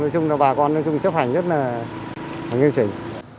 nói chung là bà con chấp hành